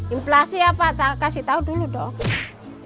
inflasi apa kasih tahu dulu dong